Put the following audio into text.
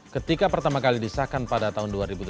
ketika pertama kali disahkan pada tahun dua ribu delapan